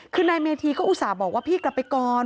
คือนายเมธีก็อุตส่าห์บอกว่าพี่กลับไปก่อน